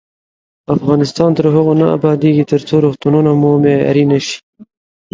افغانستان تر هغو نه ابادیږي، ترڅو روغتونونه مو معیاري نشي.